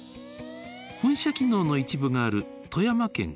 本社機能の一部がある富山県黒部市。